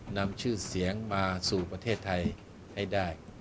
นำชื่อเสียงมาสู่ประเทศไทยให้ได้